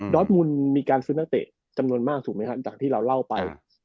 อสมุนมีการซื้อนักเตะจำนวนมากถูกไหมครับจากที่เราเล่าไป